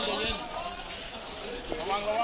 โกลดลองให้รักตามนะครับ